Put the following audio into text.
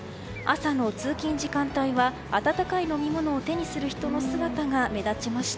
朝の通勤時間帯は温かい飲み物を手にする人の姿が目立ちました。